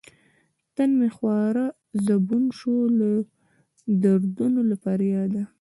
تن مې خوار زبون شو لۀ دردونو له فرياده